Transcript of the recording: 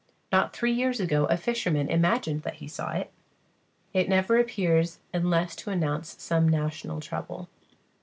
Not three years ago a fisherman imagined that he saw it. It never appears unless to announce some national trouble.